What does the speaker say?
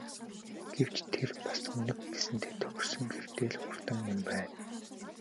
Гэвч тэр бас Үнэг гэсэндээ тохирсон хэрдээ л хурдан юм байна.